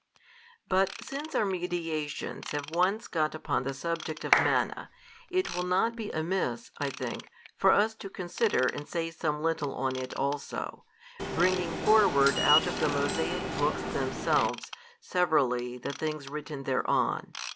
But since our meditations have once got upon the subject of manna, it will not be amiss (I think) for us to consider and say some little on it also, bringing forward out of the Mosaic books themselves severally the things written thereon.